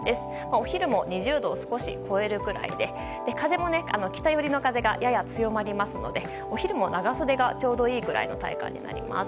お昼も２０度を少し超えるくらいそして北風がやや強まるのでお昼も長袖がちょうどいいくらいの体感になります。